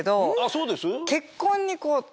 そうです？